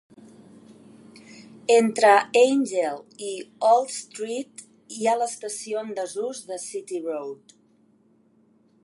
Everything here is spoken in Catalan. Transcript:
Entre Angel i Old Street hi ha l'estació en desús de City Road.